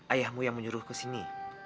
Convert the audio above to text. ayahmu yang menyuruh ke sini